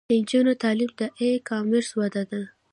د نجونو تعلیم د ای کامرس وده ده.